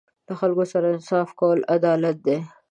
له خلکو سره انصاف کول عدالت دی.